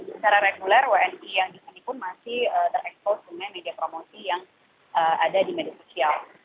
secara reguler wni yang di sini pun masih terekspos dengan media promosi yang ada di media sosial